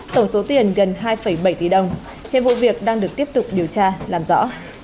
tổng số tiền gần hai bảy tỷ đồng hiện vụ việc đang được tiếp tục điều tra làm rõ